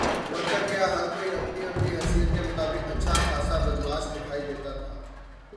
Worker کیا ہر کوئی اپنی اپنی حیثیت کے مطابق اچھا خاصا بدمعاش دکھائی دیتا تھا۔